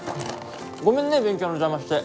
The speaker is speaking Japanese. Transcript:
ごめんね勉強の邪魔して。